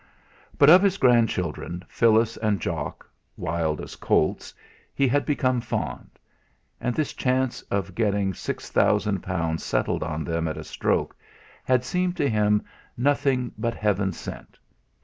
But of his grandchildren Phyllis and Jock (wild as colts) he had become fond. And this chance of getting six thousand pounds settled on them at a stroke had seemed to him nothing but heaven sent.